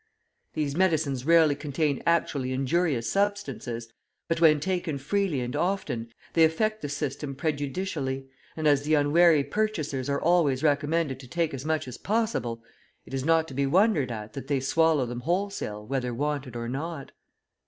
These medicines rarely contain actually injurious substances, but, when taken freely and often, they affect the system prejudicially; and as the unwary purchasers are always recommended to take as much as possible, it is not to be wondered at that they swallow them wholesale whether wanted or not.